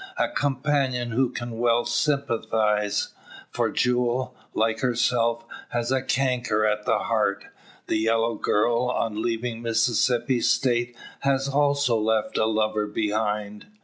A companion who can well sympathise; for Jule, like herself, has a canker at the heart. The "yellow girl" on leaving Mississippi State has also left a lover behind.